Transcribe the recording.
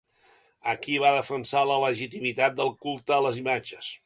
Aquí va defensar la legitimitat del culte a les imatges.